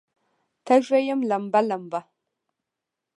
تږې یم لمبه، لمبه